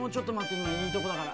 いまいいとこだから。